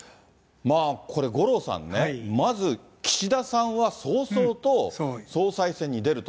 これ、五郎さんね、まず、岸田さんは早々と総裁選に出ると。